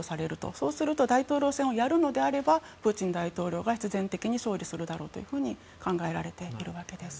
そうすると大統領選をやるのであればプーチン大統領が必然的に勝利するだろうと考えられているわけです。